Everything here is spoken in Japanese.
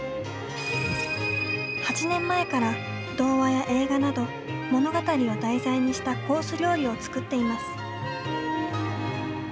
８年前から童話や映画など物語を題材にしたコース料理を作っています。